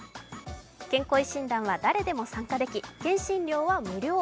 健恋診断は誰でも参加でき、検診料は無料。